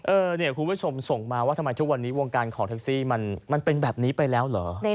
คุณผู้ชมส่งมาว่าทำไมทุกวันนี้วงการของแท็กซี่มันเป็นแบบนี้ไปแล้วเหรอ